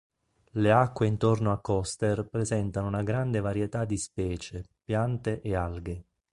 Le acque intorno a Koster presentano una grande varietà di specie, piante e alghe.